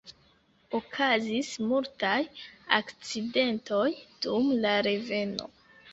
Okazis multaj akcidentoj dum la reveno.